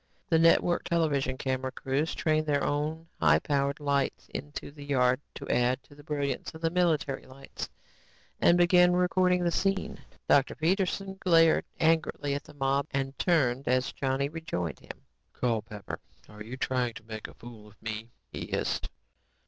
The network television camera crews trained their own high powered lights into the yard to add to the brilliance of the military lights and began recording the scene. Dr. Peterson glared angrily at the mob and turned as Johnny rejoined him. "Culpepper, are you trying to make a fool of me?" he hissed.